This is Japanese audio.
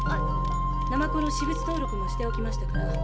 ナマコの私物登録もしておきましたから。